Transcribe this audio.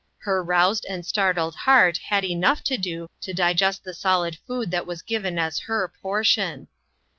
Her roused and startled heart had enough to do to digest the solid food that was given as her portion.